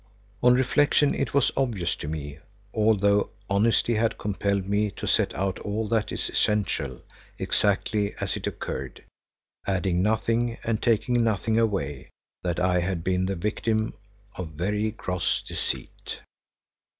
On reflection it was obvious to me, although honesty had compelled me to set out all that is essential exactly as it occurred, adding nothing and taking nothing away, that I had been the victim of very gross deceit.